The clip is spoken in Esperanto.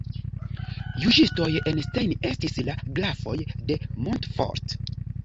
Juĝistoj en Stein estis la "Grafoj de Montfort".